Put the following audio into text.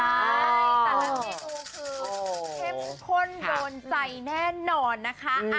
แต่ละทีดูคือเท็บข้นโดนใส่แน่นอนนะคะ